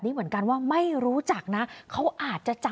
ซื้อสุภาษิตรไปกับผม